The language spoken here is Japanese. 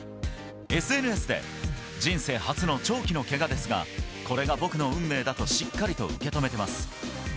ＳＮＳで、人生初の長期のけがですが、これが僕の運命だとしっかりと受け止めてます。